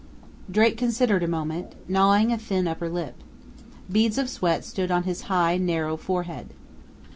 Drake considered a moment, gnawing a thin upper lip. Beads of sweat stood on his high, narrow forehead.